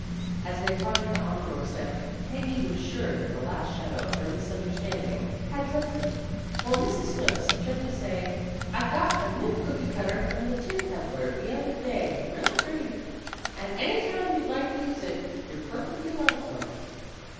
As they parted on the doorstep Peggy was sure that the last shadow of their misunderstanding had lifted, for Mrs. Snooks turned to say, "I got a new cooky cutter from the tin peddler the other day real pretty. And any time you'd like to use it, you're perfectly welcome."